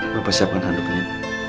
bapak siapkan handuknya